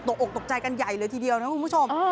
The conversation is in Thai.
ตกออกตกใจกันใหญ่เลยทีเดียวนะคุณผู้ชม